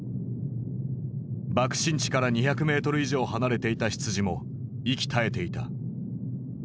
爆心地から２００メートル以上離れていた羊も息絶えていた。